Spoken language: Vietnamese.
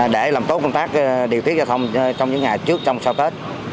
để làm tốt công tác điều tiết giao thông trong những ngày trước trong sau tết